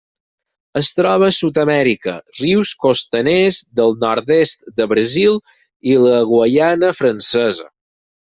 Es troba a Sud-amèrica: rius costaners del nord-est del Brasil i la Guaiana Francesa.